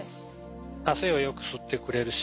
汗をよく吸ってくれるし